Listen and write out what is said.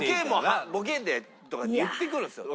ボケでとかって言ってくるんですよ。